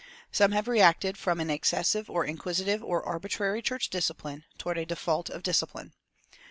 Some have reacted from an excessive or inquisitive or arbitrary church discipline, toward a default of discipline.